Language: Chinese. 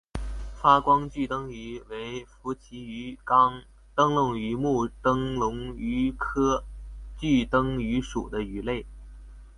发光炬灯鱼为辐鳍鱼纲灯笼鱼目灯笼鱼科炬灯鱼属的鱼类。